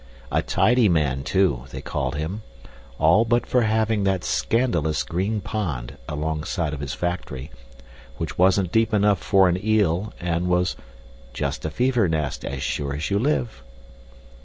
A tidy man, too, they called him, all but for having that scandalous green pond alongside of his factory, which wasn't deep enough for an eel and was "just a fever nest, as sure as you live."